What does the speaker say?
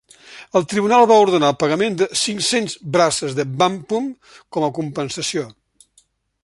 El Tribunal va ordenar el pagament de "cinc-cents braces de wampum" com a compensació.